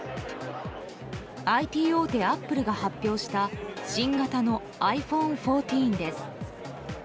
ＩＴ大手アップルが発表した新型のｉＰｈｏｎｅ１４です。